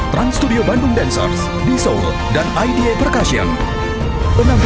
trans studio bandung dancers b soul dan ida perkasyen